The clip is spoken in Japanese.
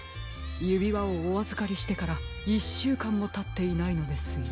ゆびわをおあずかりしてから１しゅうかんもたっていないのですよ。